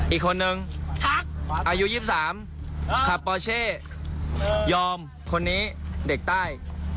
อีกคนนึงอายุ๒๓ขับปอเช่ยอมคนนี้เด็กใต้